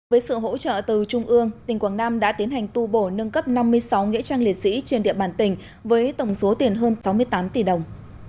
với sự hỗ trợ từ trung ương tỉnh quảng nam đã tiến hành tu bổ nâng cấp năm mươi sáu nghĩa trang liệt sĩ trên địa bàn tỉnh với tổng số tiền hơn sáu mươi tám tỷ đồng